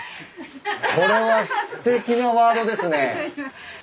これはすてきなワードですね。